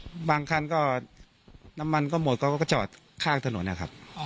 บางคันก็น้ำมันก็หมดเขาก็จอดข้างถนนนะครับ